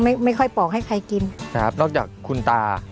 ไม่ค่อยปอกให้ใครกินนะครับนอกจากคุณตา